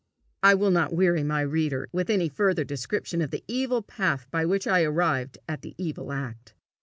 I will not weary my reader with any further description of the evil path by which I arrived at the evil act.